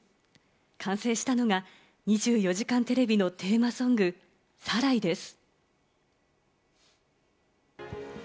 完成したのが『２４時間テレビ』のテーマソング『サライ』です。